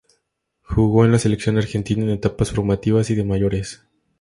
Jugó en la selección argentina en etapas formativas y de mayores.